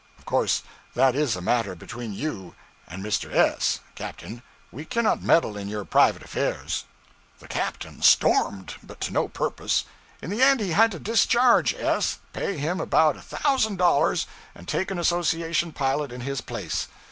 'Of course that is a matter between you and Mr. S , captain. We cannot meddle in your private affairs.' The captain stormed, but to no purpose. In the end he had to discharge S , pay him about a thousand dollars, and take an association pilot in his place.